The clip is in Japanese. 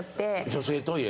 女性トイレ。